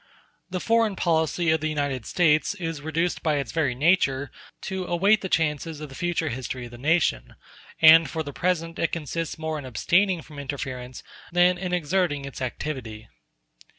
The foreign policy of the United States is reduced by its very nature to await the chances of the future history of the nation, and for the present it consists more in abstaining from interference than in exerting its activity.